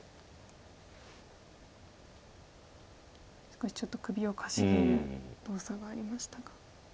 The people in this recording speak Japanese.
少しちょっと首をかしげる動作がありましたが。